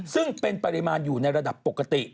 ซึ่งเป็นปริมาณอยู่ในระดับปกติ